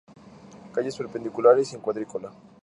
Calles perpendiculares y en cuadrícula.